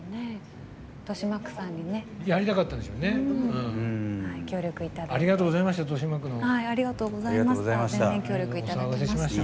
豊島区さんに協力いただきました。